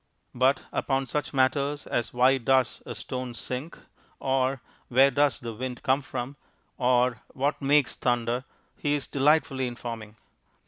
But upon such matters as "Why does a stone sink?" or "Where does the wind come from?" or "What makes thunder?" he is delightfully informing.